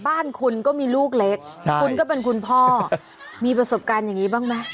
บ้านคุณก็มีลูกเล็กคุณก็เป็นคุณพ่อมีประสบการณ์อย่างนี้บ้างไหม